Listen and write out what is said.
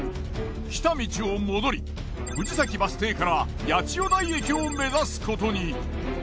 来た道を戻り藤崎バス停から八千代台駅を目指すことに。